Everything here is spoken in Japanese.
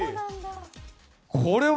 これは？